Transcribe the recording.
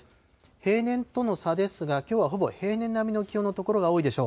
平年との差ですが、きょうはほぼ平年並みの気温の所が多いでしょう。